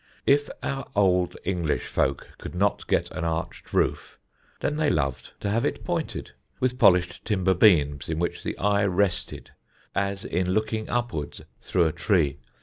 If our old English folk could not get an arched roof, then they loved to have it pointed, with polished timber beams in which the eye rested as in looking upwards through a tree.